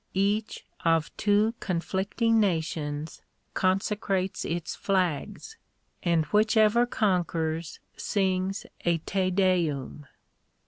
Each of two conflicting nations consecrates its flags ; and whichever conquers sings a Te Deum.